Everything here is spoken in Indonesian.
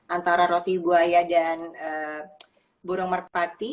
antara roti buaya dan burung merpati